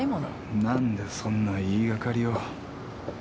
何でそんな言いがかりを。